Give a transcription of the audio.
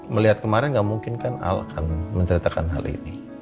melihat kemarin nggak mungkin kan al akan menceritakan hal ini